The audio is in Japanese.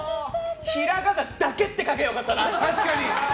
ひらがなだけって書けば良かったな。